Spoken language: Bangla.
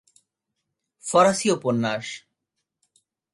ফরাসি উপন্যাস।